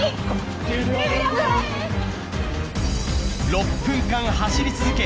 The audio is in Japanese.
６分間走り続け